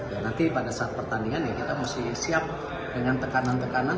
dan nanti pada saat pertandingan kita mesti siap dengan tekanan tekanan